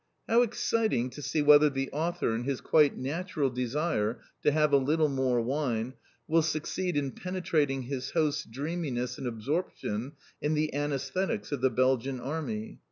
How exciting to see whether the author, in his quite natural desire to have a little more wine, will succeed in penetrating his host's dreaminess and absorption in the anæsthetics of the Belgian Army.